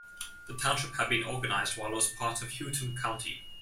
The township had been organized while it was part of Houghton County.